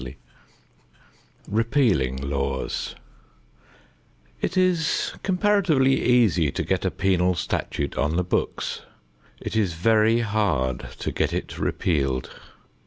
XVII REPEALING LAWS It is comparatively easy to get a penal statute on the books. It is very hard to get it repealed.